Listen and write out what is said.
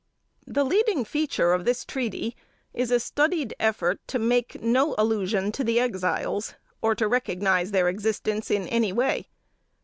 The leading feature of this treaty, is a studied effort to make no allusion to the Exiles, or to recognize their existence in any way.